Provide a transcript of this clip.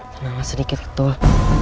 tenanglah sedikit ketul